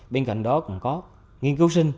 bên cạnh đó còn có nghiên cứu sinh